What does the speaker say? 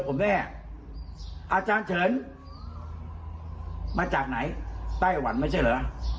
นะแค่นี้แหละ